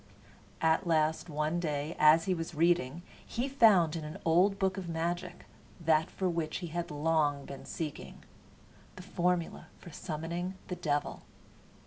At last one day, as he was reading, he found in an old book of magic that for which he had long been seeking the formula for summoning the devil.